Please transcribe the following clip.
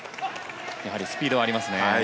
やはりスピードがありますね。